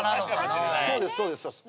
そうですそうです。